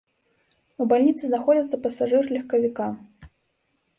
У бальніцы знаходзіцца пасажыр легкавіка.